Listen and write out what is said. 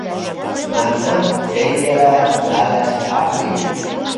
Мӓмнам тенгела нӓлаш ак ли.